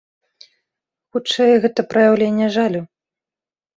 Хутчэй, гэта праяўленне жалю.